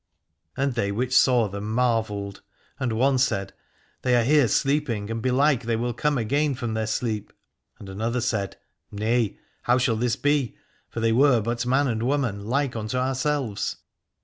And they which saw them marvelled : and one said : They are here sleeping, and belike they will come again from their sleep. And another said : Nay, how shall this be ; for they were but man and woman, like unto ourselves.